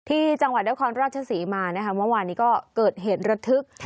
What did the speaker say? ที่จังหวัดเนื้อครราชสีมานะคะวันวานนี้ก็เกิดเหตุระทึก